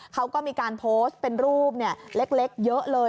เขาก็มีการโพสต์เป็นรูปเล็กเยอะเลย